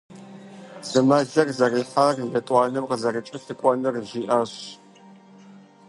Зы мэлыр зэрихьар, етӀуанэм къызэрыкӀэлъыкӀуэнур жиӀащ.